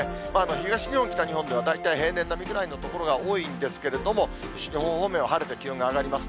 東日本、北日本では大体平年並みぐらいの所が多いんですけれども、西日本方面は晴れて、気温が上がります。